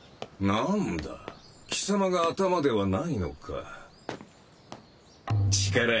なんだ貴様が頭ではないのか。